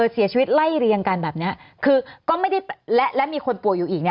เสียชีวิตไล่เรียงกันแบบนี้คือก็ไม่ได้และมีคนป่วยอยู่อีก